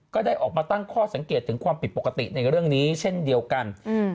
ก็ได้ออกมาตั้งข้อสังเกตถึงความผิดปกติในเรื่องนี้เช่นเดียวกันอืม